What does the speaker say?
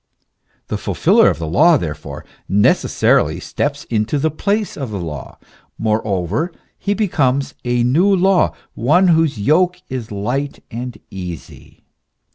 The fulfiller of the law, therefore, necessarily steps into the place of the law ; moreover he becomes a new law, one whose yoke is light and easy.